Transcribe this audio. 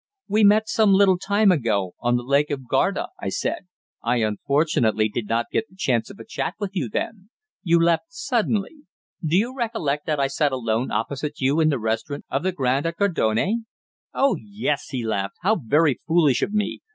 "We met some little time ago on the Lake of Garda," I said. "I, unfortunately, did not get the chance of a chat with you then. You left suddenly. Don't you recollect that I sat alone opposite you in the restaurant of the Grand at Gardone?" "Oh yes!" he laughed. "How very foolish of me!